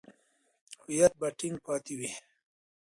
هویت به ټینګ پاتې وي.